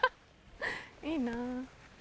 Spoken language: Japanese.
いいなぁ。